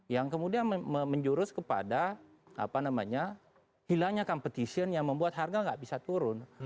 yang kemudian menjurus kepada hilangnya competition yang membuat harga nggak bisa turun